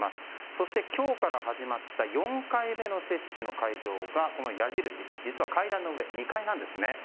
そして今日から始まった４回目の接種の会場がこの矢印、実は階段の上２階なんですね。